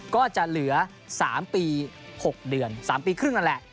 ก็จะเหลือ๓ปี๖เดือน๓ปีครึ่งนั่นแหละ